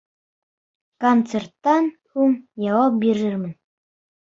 Концерттан һуң яуап бирермен.